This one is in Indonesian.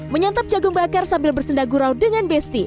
menyantap jagung bakar sambil bersendang gurau dengan besti